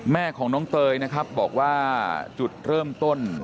แม่ของน้องเตยนะครับบอกว่าจุดเริ่มต้น